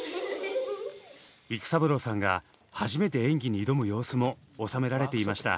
育三郎さんが初めて演技に挑む様子も収められていました。